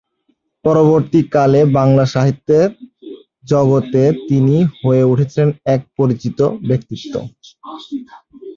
পরবর্তীকালে বাংলা সাহিত্যের জগতে তিনি হয়ে উঠেছিলেন এক পরিচিত ব্যক্তিত্ব।